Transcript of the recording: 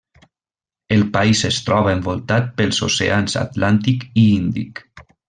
El país es troba envoltat pels oceans Atlàntic i Índic.